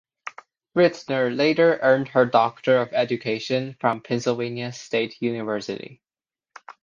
Rittner later earned her Doctor of Education from Pennsylvania State University.